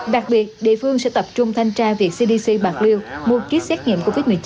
đặc biệt địa phương sẽ tập trung thanh tra việc cdc bạc liêu mua kýt xét nghiệm covid một mươi chín